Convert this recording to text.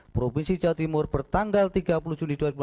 provinsi jawa timur bertanggal tiga puluh juni dua ribu lima belas